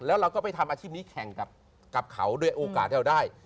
แล้วเราก็ไปทำอาชีพนี้แข่งกับเขาด้วยโอกาสที่เราได้